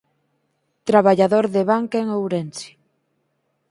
Traballador de Banca en Ourense.